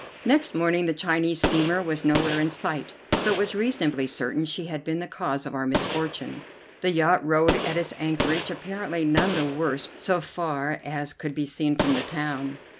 Next morning the Chinese steamer was nowhere in sight, so it was reasonably certain she had been the cause of our misfortune. The yacht rode at its anchorage, apparently none the worse so far as could be seen from the town.